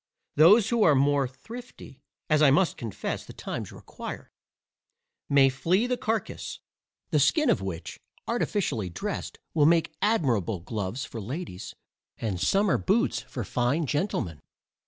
Those who are more thrifty (as I must confess the times require) may flay the carcass; the skin of which, artificially dressed, will make admirable gloves for ladies, and summer boots for fine gentlemen.